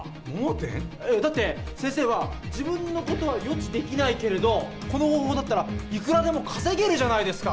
えっだって先生は自分のことは予知できないけれどこの方法だったらいくらでも稼げるじゃないですか。